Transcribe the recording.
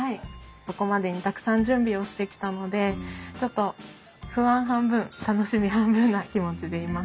ここまでにたくさん準備をしてきたのでちょっと不安半分楽しみ半分な気持ちでいます。